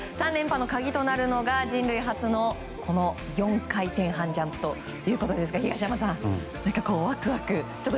３連覇の鍵となるのが人類初の４回転半ジャンプということですが東山さん、ワクワク。